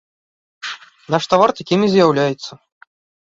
Наш тавар такім і з'яўляецца.